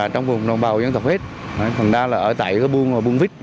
trong vùng đồng bào dân tộc hết phần đa là ở tại cái buôn vít